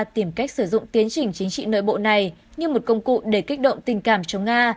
tìm cách sử dụng tiến trình chính trị nội bộ này như một công cụ để kích động tình cảm cho nga